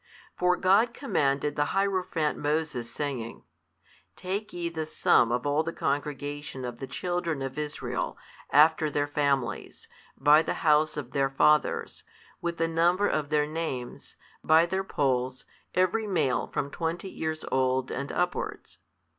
For God commanded the hierophant Moses, saying, Take ye the sum of all the congregation of the children of Israel, after their families, by the house of their fathers, with the number of their names, by their polls, every male from twenty years old and upwards.